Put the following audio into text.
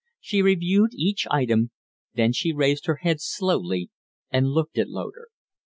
She reviewed each item, then she raised her head slowly and looked at Loder.